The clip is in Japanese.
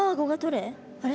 あれ？